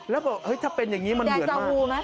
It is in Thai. แล้วบอกถ้าเป็นอย่างนี้มันเหมือนมาก